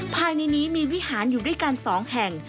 ภายในนี้มีวิหารอยู่ด้วยกัน๒แห่ง